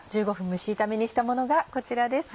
蒸し炒めにしたものがこちらです。